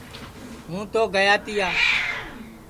ہوں تو گیا تیا